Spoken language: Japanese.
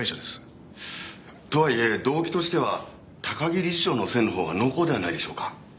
とは言え動機としては高木理事長の線のほうが濃厚ではないでしょうか。